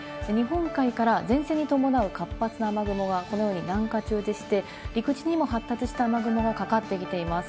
日本海から前線に伴う活発な雨雲がこのように南下中でして、陸地にも発達した雨雲がかかってきています。